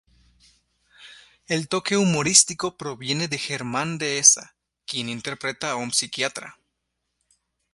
El toque humorístico proviene de Germán Dehesa, quien interpreta a un psiquiatra.